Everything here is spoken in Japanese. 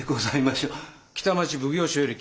北町奉行所与力